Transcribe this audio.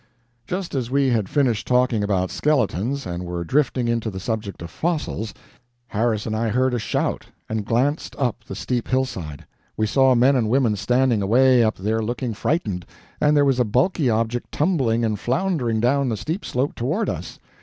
Just as we had finished talking about skeletons and were drifting into the subject of fossils, Harris and I heard a shout, and glanced up the steep hillside. We saw men and women standing away up there looking frightened, and there was a bulky object tumbling and floundering down the steep slope toward us.